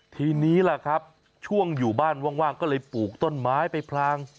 ทีนี้ล่ะครับช่วงอยู่บ้านว่างก็เลยปลูกต้นไม้ไปพลาง